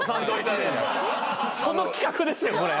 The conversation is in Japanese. その企画ですよこれ。